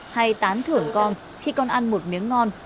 hay tán thưởng con khi con ăn một miếng ngon